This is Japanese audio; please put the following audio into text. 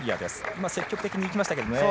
今、積極的にいきましたが。